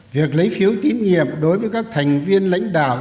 việc lấy phiếu tín nhiệm đối với các thành viên lãnh đạo